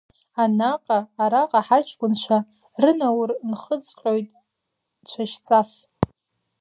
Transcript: Анаҟа, араҟа ҳаҷкәынцәа, Рынаур нхәыҵҟьоит цәашьҵас.